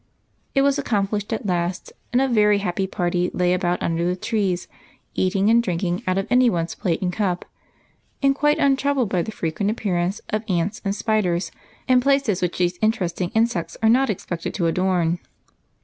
It was accomplished at last, and a>ery happy party lay about under the trees, eating and drinking out of anyone's plate and cup, and quite untroubled by the frequent appearance of ants and spiders in places which these interesting insects are not expected to adorn.